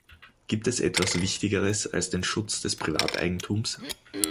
Gibt es etwas Wichtigeres als den Schutz des Privateigentums?